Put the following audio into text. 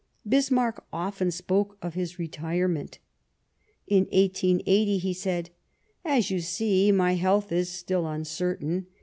Bismarck often spoke of his retirement. In 1880 he said : "As you see, my health is still uncertain.